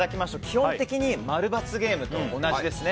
基本的に○×ゲームと同じです。